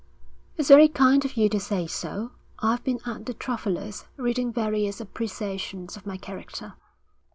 'It's very kind of you to say so. I've been at the Travellers, reading various appreciations of my character.'